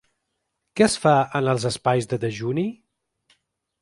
Què es fa en els espais de dejuni?